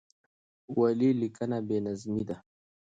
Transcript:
ولې لیکنه بې نظمې ده؟